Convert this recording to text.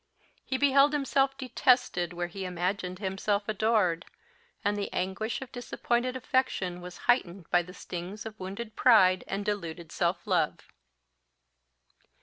He beheld himself detested where he imagined himself adored; and the anguish of disappointed affection was heightened by the stings of wounded pride and deluded self love.